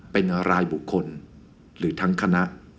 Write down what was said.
เป็นรายบุคคลหรือทั้งคณะ